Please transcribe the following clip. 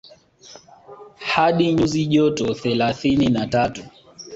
Hadi nyuzi joto thelathini na tatu